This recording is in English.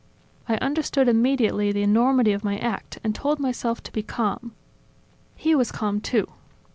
I understood immediately the enormity of my act and told myself to be calm. He was calm, too.